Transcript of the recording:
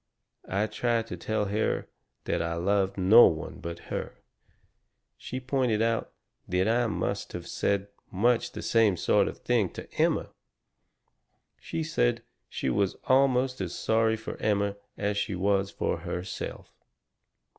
I tried to tell her that I loved no one but her. She pointed out that I must have said much the same sort of thing to Emma. She said she was almost as sorry for Emma as she was for herself.